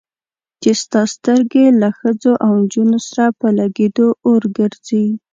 چې ستا سترګې له ښځو او نجونو سره په لګېدو اور ګرځي.